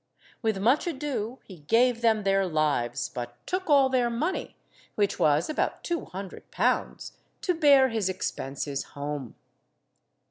With much ado he gave them their lives, but took all their money, which was about two hundred pounds, to bear his expenses home.